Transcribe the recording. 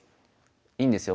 いいんですよ。